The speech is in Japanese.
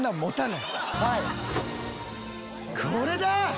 これだ！